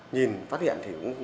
nhìn phát hiện thì cũng